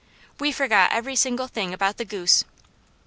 We forgot every single thing about the goose.